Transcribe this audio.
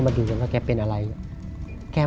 ไม่เอาแล้ว